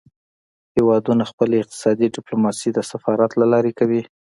هیوادونه خپله اقتصادي ډیپلوماسي د سفارت له لارې کوي